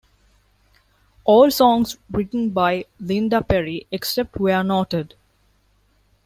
All songs written by Linda Perry, except where noted.